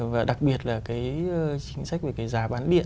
và đặc biệt là cái chính sách về cái giá bán điện